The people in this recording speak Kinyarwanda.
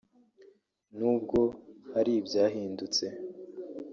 n’ubwo hari ibyahindutse